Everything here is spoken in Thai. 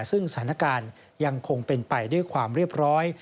ซึ่งสถานการณ์ยังคงเป็นไปด้วยความเรียบร้อย